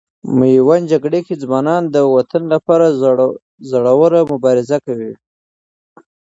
میوند جګړې کې ځوانان د وطن لپاره زړه ور مبارزه کوي.